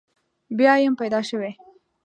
بیا یم پیدا شوی.